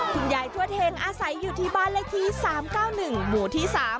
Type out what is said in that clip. ทวดเฮงอาศัยอยู่ที่บ้านเลขที่๓๙๑หมู่ที่๓